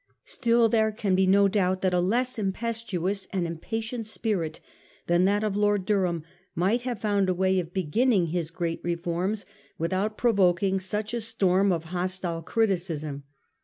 Still there can be no doubt that a less impetuous and impatient spirit than that of Lord Durham might have found a way of beginning his great reforms without provoking such a storm of hostile criticism.